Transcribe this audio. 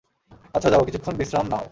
আচ্ছা যাও, কিছুক্ষণ বিশ্রাম নাও।